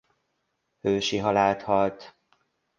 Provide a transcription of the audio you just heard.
Hősi halált halt.